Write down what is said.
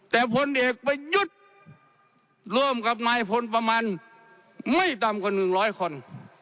แต่พลเอกไปหยุดร่วมกับนายพลประมาณไม่ต่ำกว่าหนึ่งร้อยคน